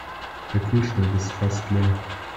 Der Kühlschrank ist fast leer.